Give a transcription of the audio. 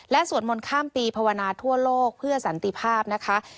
สวดมนต์ข้ามปีภาวนาทั่วโลกเพื่อสันติภาพนะคะ